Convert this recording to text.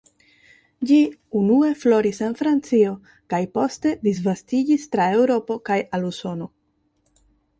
Ĝi unue floris en Francio kaj poste disvastiĝis tra Eŭropo kaj al Usono.